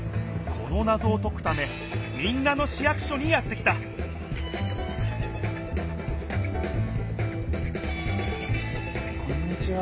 このなぞをとくため民奈野市役所にやって来たこんにちは。